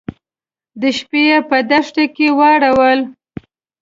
د شپې يې په دښته کې واړول.